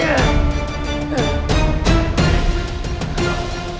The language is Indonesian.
ayo datang kejauhan